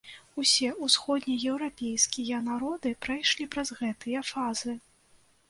Усе усходнееўрапейскія народы прайшлі праз гэтыя фазы.